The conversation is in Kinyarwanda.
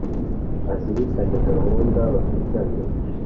azirikane gahunda bafitanye.